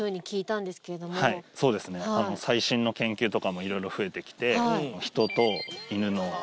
あの最新の研究とかもいろいろ増えてきて人と犬のはい